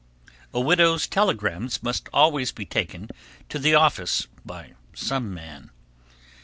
A widow's telegrams must always be taken to the office by some man.